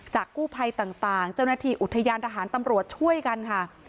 กู้ภัยต่างเจ้าหน้าที่อุทยานทหารตำรวจช่วยกันค่ะ